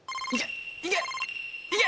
いけ！